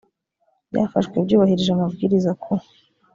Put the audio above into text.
byafashwe byubahirije amabwiriza ku